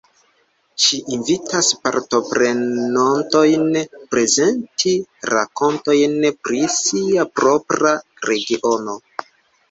Ŝi invitas partoprenontojn prezenti rakontojn pri sia propra regiono.